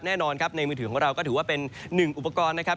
แน่นอนครับในมือถือของเราก็ถือว่าเป็นหนึ่งอุปกรณ์นะครับ